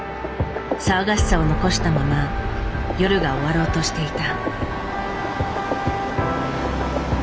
騒がしさを残したまま夜が終わろうとしていた。